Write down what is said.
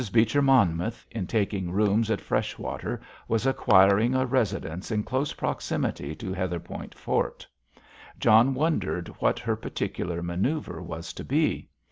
Beecher Monmouth, in taking rooms at Freshwater, was acquiring a residence in close proximity to Heatherpoint Fort. John wondered what her particular manoeuvre was to be.